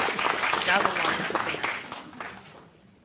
Now the line is abandoned.